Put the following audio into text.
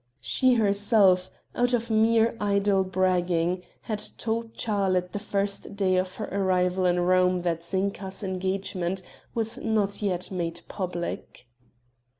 She herself, out of mere idle bragging, had told Charlotte the first day of her arrival in Rome that Zinka's engagement was not yet made public.